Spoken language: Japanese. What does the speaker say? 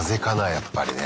やっぱりね。